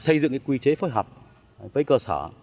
xây dựng quy chế phối hợp với cơ sở